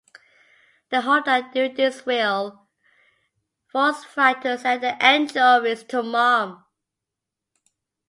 They hope that doing this will force Fry to sell the anchovies to Mom.